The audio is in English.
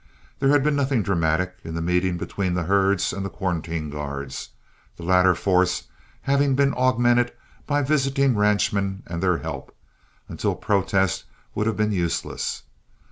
There had been nothing dramatic in the meeting between the herds and the quarantine guards, the latter force having been augmented by visiting ranchmen and their help, until protest would have been useless.